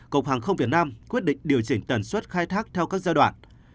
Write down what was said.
cộng hàng không việt nam quyết định điều chỉnh tuần suốt khai thác theo các giai đoạn